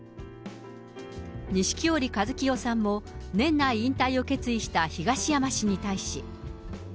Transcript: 錦織一清さんも、年内引退を決意した東山氏に対し。